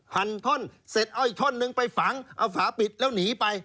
หันท่อนเสร็จเอาอีกท่อนนึงไปฝังเอาฝาปิดแล้วหนีไป